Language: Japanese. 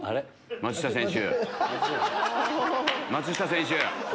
松下選手！